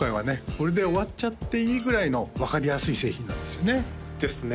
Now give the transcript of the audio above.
これで終わっちゃっていいぐらいの分かりやすい製品なんですよねですね